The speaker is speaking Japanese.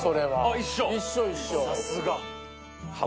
さすが。